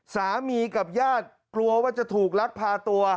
สามีกับญาติกลัวว่าจะถูกลักพาตัว